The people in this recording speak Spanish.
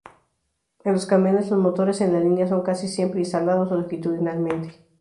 En los camiones, los motores en línea son casi siempre instalados longitudinalmente.